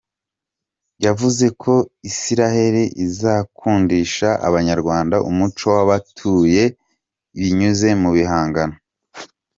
Yavuze ko Isiraheli izakundisha Abanyarwanda umuco w’abayituye binyuze mu bihangano.